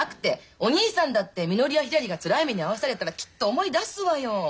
お義兄さんだってみのりやひらりがつらい目に遭わされたらきっと思い出すわよ。